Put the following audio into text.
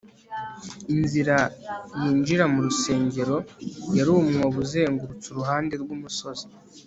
inzira yinjira mu rusengero yari umwobo uzengurutse uruhande rw'umusozi